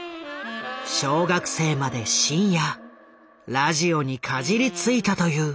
小学生まで深夜ラジオにかじりついたという。